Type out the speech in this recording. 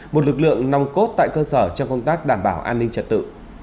một lực lượng nòng cốt tại cơ sở trong công tác đảm bảo an ninh trật tự